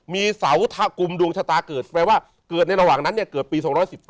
มีเสาทากุมดวงชะตาเกิดรอวางนั้นเกิดปี๒๑๘